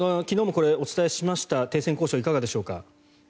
昨日もお伝えしました停戦交渉、いかがでしょうか。